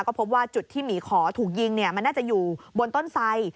ก็พบว่าจุดที่หมีขอถูกยิงมันน่าจะอยู่บนต้นไส